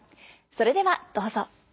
それではどうぞ。